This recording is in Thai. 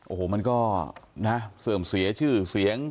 โอ้โหมันก็นะเสื่อมเสียชื่อเสียง